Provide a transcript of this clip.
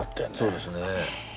そうですね。